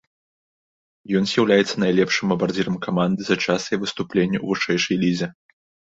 Ён з'яўляецца найлепшым бамбардзірам каманды за час яе выступлення ў вышэйшай лізе.